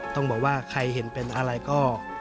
ต้องบอกว่าใครเห็นเป็นอะไรก็